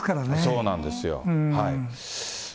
そうなんですよ。